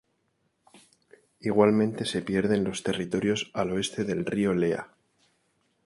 Igualmente se pierden los territorios al oeste del río Lea.